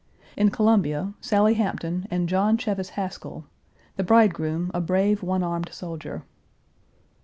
In Columbia, Sally Hampton and John Cheves Haskell, the bridegroom, a brave, one armed soldier.